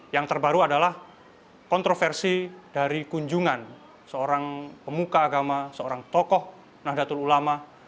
yang terbaru adalah kontroversi dari kunjungan seorang pemuka agama seorang tokoh nahdlatul ulama